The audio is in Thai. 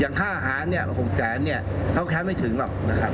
อย่างค่าอาหาร๖แสนเขาแค่ไม่ถึงหรอก